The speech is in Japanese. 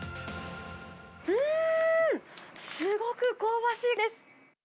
うーん、すごく香ばしいです。